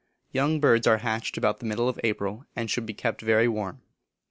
Young birds are hatched about the middle of April, and should be kept very warm.